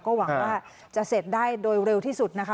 ก็หวังว่าจะเสร็จได้โดยเร็วที่สุดนะคะ